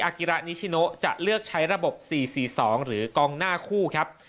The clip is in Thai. กิระนิชิโนจะเลือกใช้ระบบ๔๔๒หรือกองหน้าคู่ครับ